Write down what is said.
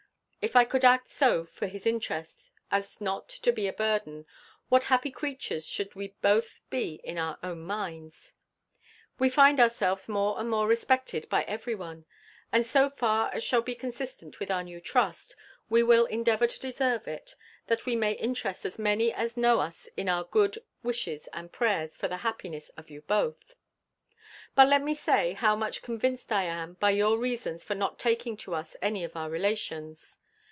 If I could act so for his interest, as not to be a burden, what happy creatures should we both be in our own minds! We find ourselves more and more respected by every one; and so far as shall be consistent with our new trust, we will endeavour to deserve it, that we may interest as many as know us in our own good wishes and prayers for the happiness of you both. But let me say, how much convinced I am by your reasons for not taking to us any of our relations.